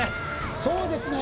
そうですね